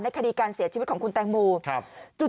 ในคดีการเสียชีวิตของคุณเต้มอง